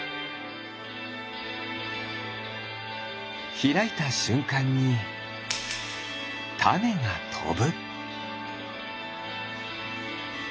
ひらいたしゅんかんにたねがとぶ。